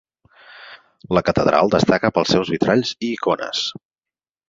La catedral destaca pels seus vitralls i icones.